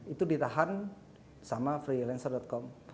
itu ditahan sama freelancer com